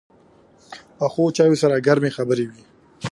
پخو چایو سره ګرمې خبرې وي